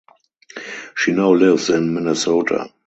She now lives in Minnesota.